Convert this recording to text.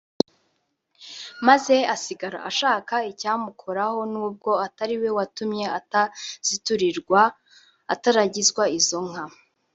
maze asigara ashaka icyamukoraho n’ubwo atariwe watumye ataziturirwa (ataragizwa izo nka)